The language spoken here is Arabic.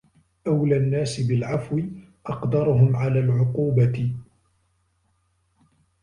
أولى الناس بالعفو أقدرهم على العقوبة